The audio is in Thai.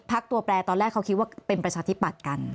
ตัวแปรตอนแรกเขาคิดว่าเป็นประชาธิปัตย์กัน